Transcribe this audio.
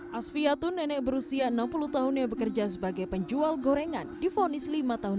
hai asviatun nenek berusia enam puluh tahunnya bekerja sebagai penjual gorengan difonis lima tahun